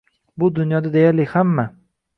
bu dunyoda deyarli hamma